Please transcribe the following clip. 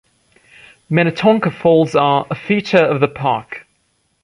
Minnatonka Falls are a feature of the park.